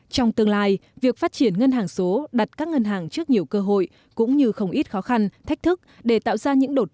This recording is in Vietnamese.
trong tương lai việc phát triển ngân hàng số đặt các ngân hàng trước nhiều cơ hội cũng như không ít khó khăn thách thức để tạo ra những đột phá